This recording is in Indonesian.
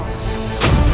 apakah yang itu tadi